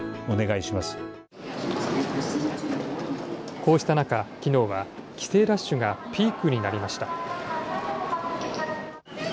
こうした中、きのうは帰省ラッシュがピークになりました。